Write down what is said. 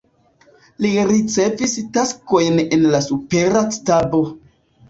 Li ricevis taskojn en la supera stabo.